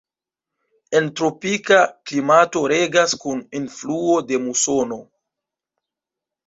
En tropika klimato regas kun influo de musono.